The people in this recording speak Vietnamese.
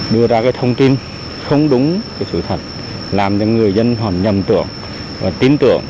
đưa ra cái thông tin không đúng cái sự thật làm cho người dân hoàn nhầm tưởng và tín tưởng